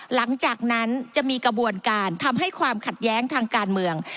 หลังจากนั้นจะมีกระบวนการทำให้ความขัดแย้งทางการเมือง